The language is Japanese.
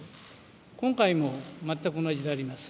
今回も全く同じであります。